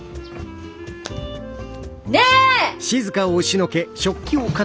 ねえ！